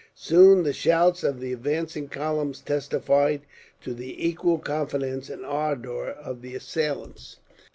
Soon the shouts of the advancing columns testified to the equal confidence and ardour of the assailants.